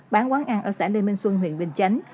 bán quán ăn ở xã lê minh xuân huyện bình chánh